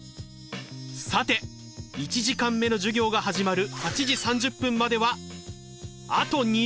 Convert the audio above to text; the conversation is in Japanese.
さて１時間目の授業が始まる８時３０分まではあと２０分！